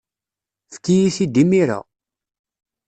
Efk-iyi-t-id imir-a.